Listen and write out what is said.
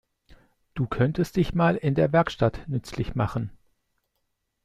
Du könntest dich mal in der Werkstatt nützlich machen.